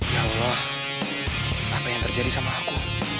ya allah apa yang terjadi sama aku